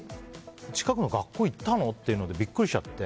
近くの学校行ったの？ってビックリしちゃって。